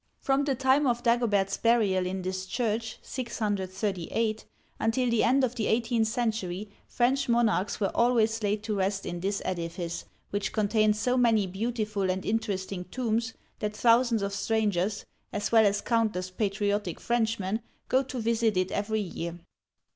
From the time of Dagobert's burial in this church (638) until the end of the eighteenth century, French monarchs were always laid to rest in this edifice, which contains so many beautiful and interesting tombs that thousands of strangers — as well as countless patriotic Frenchmen — go to visit it every year.